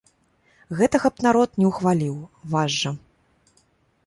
Гэтага б народ не ўхваліў, ваш жа.